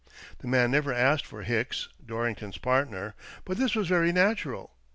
The man never asked for Hicks, Dorrington's partner ; but this was very natural.